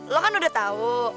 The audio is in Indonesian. lo kan udah tau